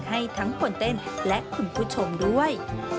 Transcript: ให้ทั้งคนเต้นและคุณผู้ชมด้วย